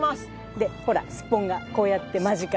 でほらスッポンがこうやって間近に。